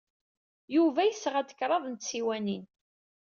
Yuba yesɣa-d kraḍt n tsiwanin.